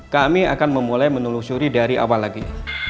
kami akan memulai menelusuri dari awal lagi